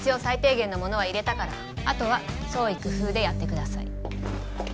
最低限のものは入れたからあとは創意工夫でやってください